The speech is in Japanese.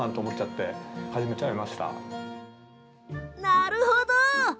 なるほど！